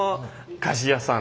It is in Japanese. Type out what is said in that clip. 鍛冶屋さん。